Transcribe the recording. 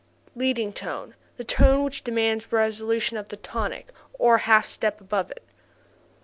7. Leading tone the tone which demands resolution to the tonic (one half step above it).